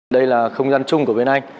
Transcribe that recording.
đây là không gian chung của bên anh